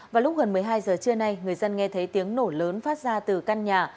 vào lúc gần một mươi hai giờ trưa nay người dân nghe thấy tiếng nổ lớn phát ra từ căn nhà